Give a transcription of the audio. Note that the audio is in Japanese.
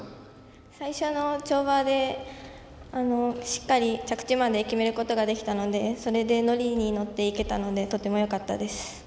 最初の跳馬でしっかり着地まで決めることができたのでそれでノリに乗っていけたのでとてもよかったです。